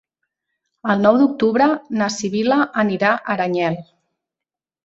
El nou d'octubre na Sibil·la anirà a Aranyel.